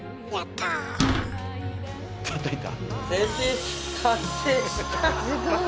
たたいた。